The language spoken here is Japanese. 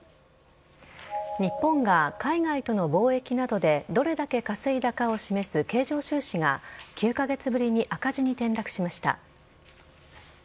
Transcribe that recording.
日本が海外との貿易などでどれだけ稼いだかを示す経常収支が９カ月ぶりに赤字に転落しました。